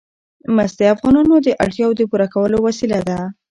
مس د افغانانو د اړتیاوو د پوره کولو وسیله ده.